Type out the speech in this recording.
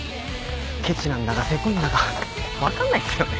ケチなんだかセコいんだか分かんないっすよね。